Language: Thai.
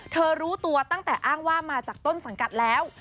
รู้ตัวตั้งแต่อ้างว่ามาจากต้นสังกัดแล้ว